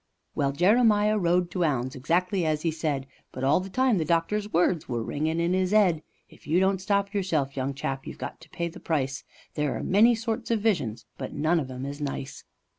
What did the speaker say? Well, Jeremiah rode to 'ounds, exactly as 'e said. But all the time the doctor's words were ringin' in 'is 'ead — "If you don't stop yourself, young chap, you've got to pay the price, There are many sorts of visions, but none of 'em is nice."